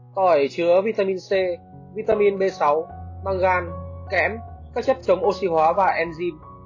tỏi chứa vitamin c vitamin b sáu mang gan kém các chất chống oxy hóa và enzim